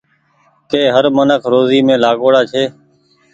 ڪي هر منک روزي مين لآگوڙآ هووي۔